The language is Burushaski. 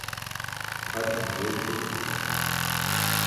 pharcin guyaći eti